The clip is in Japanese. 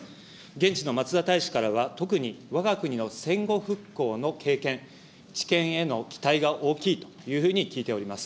現地のまつだ大使からは、特にわが国の戦後復興の経験、知見への期待が大きいというふうに聞いております。